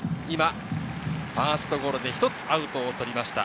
ファーストゴロで一つアウトを取りました。